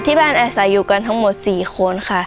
ที่บ้านอาศัยอยู่ทั้งหมด๔คน